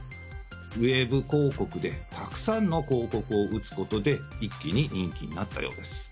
ウェブ広告でたくさんの広告を打つことで、一気に人気になったようです。